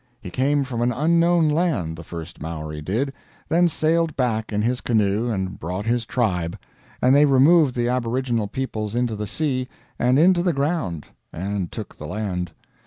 He came from an unknown land the first Maori did then sailed back in his canoe and brought his tribe, and they removed the aboriginal peoples into the sea and into the ground and took the land.